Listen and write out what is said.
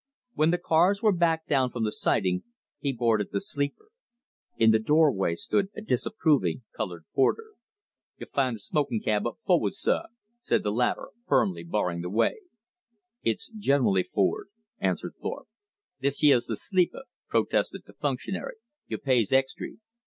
When the cars were backed down from the siding, he boarded the sleeper. In the doorway stood a disapproving colored porter. "Yo'll fin' the smokin' cab up fo'wu'd, suh," said the latter, firmly barring the way. "It's generally forward," answered Thorpe. "This yeah's th' sleepah," protested the functionary. "You pays extry."